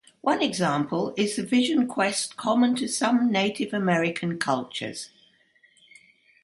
One example is the vision quest common to some Native American cultures.